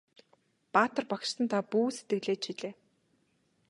Баатар багштан та бүү сэтгэлээ чилээ!